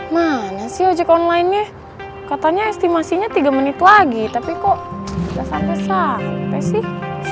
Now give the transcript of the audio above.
mana sih ojek online nih katanya estimasinya tiga menit lagi tapi kok dasar sampai sih